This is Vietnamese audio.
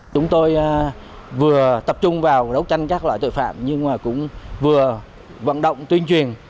chúng tôi vừa tập trung vào đấu tranh các loại tội phạm nhưng cũng vừa vận động tuyên truyền